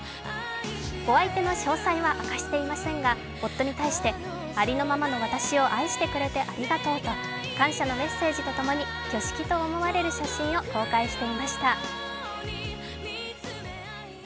お相手の詳細は明かしていませんが夫に対してありのままの私を愛してくれてありがとうと、感謝のメッセージとともに挙式と思われる写真を公開していました。